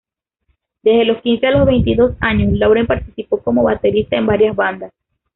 Desde los quince a los veintidós años Lauren participó como baterista en varias bandas.